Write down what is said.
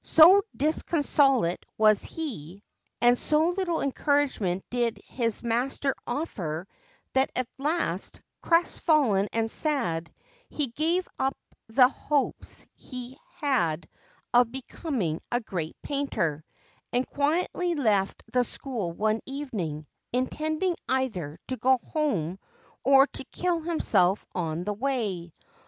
So disconsolate was he, and so little encouragement did his master offer, that at last, crestfallen and sad, he gave up the hopes he had had of becoming a great painter, and quietly left the school one evening, intending either to go home or to kill himself on the way.